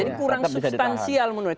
jadi kurang substansial menurut saya